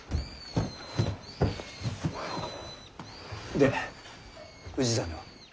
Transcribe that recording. で氏真は？